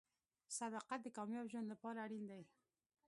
• صداقت د کامیاب ژوند لپاره اړین دی.